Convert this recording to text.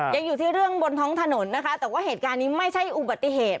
ยังอยู่ที่เรื่องบนท้องถนนนะคะแต่ว่าเหตุการณ์นี้ไม่ใช่อุบัติเหตุ